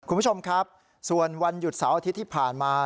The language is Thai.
คุณผู้ชมครับส่วนวันหยุดเสาร์อาทิตย์ที่ผ่านมา